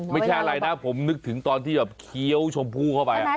ไม่ใช่อะไรนะผมนึกถึงตอนที่แบบเคี้ยวชมพู่เข้าไป